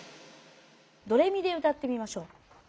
ドレミで歌ってみましょう。